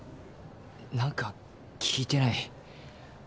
何か聞いてない？